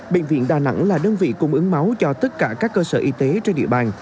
bệnh viện đà nẵng là đơn vị cung ứng máu cho tất cả các cơ sở y tế trên địa bàn